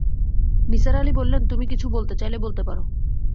নিসার আলি বললেন, তুমি কিছু বলতে চাইলে বলতে পার।